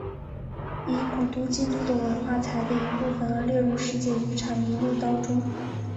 以古都京都的文化财的一部分而列入世界遗产名录当中。